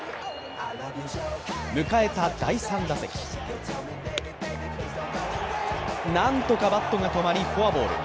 迎えた第３打席、なんとかバットが止まりフォアボール。